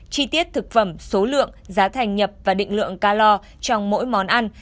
chi tiết thực phẩm số lượng giá thành nhập và định lượng ca lo trong mỗi món ăn